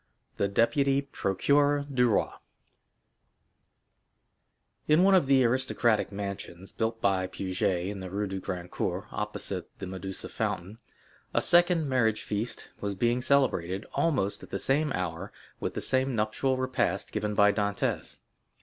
The Deputy Procureur du Roi In one of the aristocratic mansions built by Puget in the Rue du Grand Cours opposite the Medusa fountain, a second marriage feast was being celebrated, almost at the same hour with the nuptial repast given by Dantès.